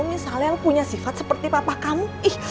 misalnya yang punya sifat seperti papa kamu ih